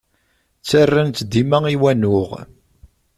Ttarran-tt dima i wanuɣ.